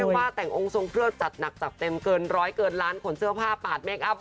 ว่าแต่งองค์ทรงเครื่องจัดหนักจัดเต็มเกินร้อยเกินล้านขนเสื้อผ้าปาดคอัพ